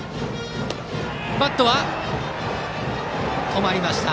バットは止まりました。